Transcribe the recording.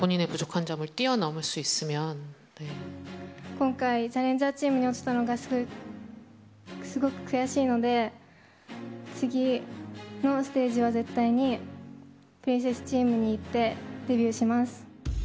今回、チャレンジャーチームに落ちたのが、すごく悔しいので、次のステージは絶対にプリンセスチームに行ってデビューします。